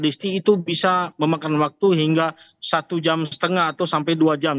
disti itu bisa memakan waktu hingga satu jam setengah atau sampai dua jam